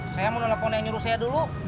saya mau nelfon yang nyuruh saya dulu